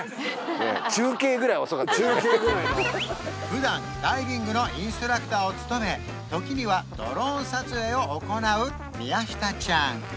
普段ダイビングのインストラクターを務め時にはドローン撮影を行う宮下ちゃん